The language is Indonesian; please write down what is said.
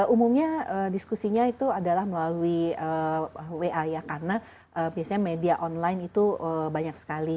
umumnya diskusinya itu adalah melalui wa ya karena biasanya media online itu banyak sekali